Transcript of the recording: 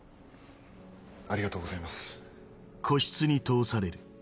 ありがとうございます。